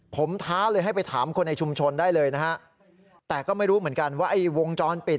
ผมท้าเลยให้ไปถามคนในชุมชนได้เลยนะฮะแต่ก็ไม่รู้เหมือนกันว่าไอ้วงจรปิด